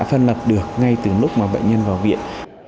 phân lập được ngay từ lúc mà bệnh nhân vào viện